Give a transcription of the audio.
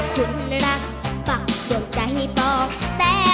ขอบคุณค่ะตีมือ